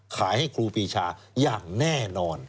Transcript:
ให้ครูปีชาอย่างแน่นอน